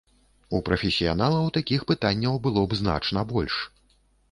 У прафесіяналаў такіх пытанняў было б значна больш.